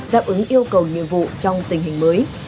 đáp ứng yêu cầu nhiệm vụ trong tình hình mới